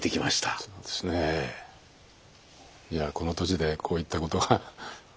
いやこの年でこういったことがねえ。